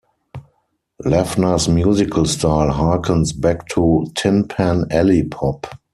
Lavner's musical style harkens back to Tin Pan Alley pop.